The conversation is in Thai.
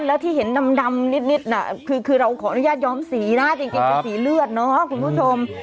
แล้วที่เห็นดำนิดน่ะคือเราขออนุญาตย้อมสีนะจริงเป็นสีเลือดเนาะคุณผู้ชม